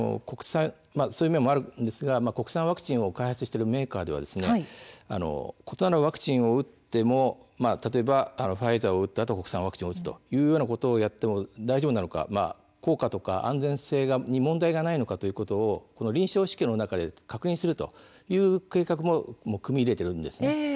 そういう面もあるんですが国産ワクチンを開発しているメーカーでは異なるワクチンを打っても例えばファイザーを打ったあと国産ワクチンを打つということをやっても大丈夫なのかどうか安全性や効果に問題性がないことを臨床試験の中で確認するという計画を組み入れているんです。